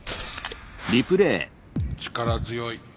力強い。